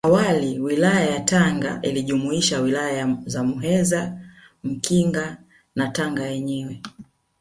Awali Wilaya ya Tanga ilijumuisha Wilaya za Muheza Mkinga na Tanga yenyewe